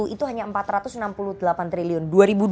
itu hanya rp empat ratus enam puluh delapan triliun